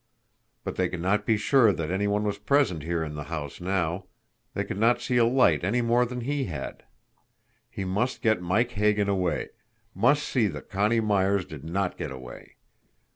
But they could not be sure that any one was present here in the house now they could not see a light any more than he had. He must get Mike Hagan away must see that Connie Myers did NOT get away.